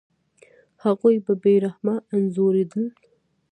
هغوی به بې رحمه انځورېدل.